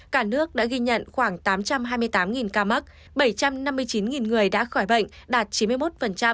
cả nước đã ghi nhận khoảng tám trăm hai mươi tám ca mắc bảy trăm năm mươi chín người đã khỏi bệnh đạt chín mươi một